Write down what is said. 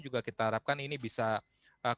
jadi kita harapkan ini bisa berhasil